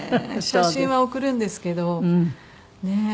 写真は送るんですけどねえ。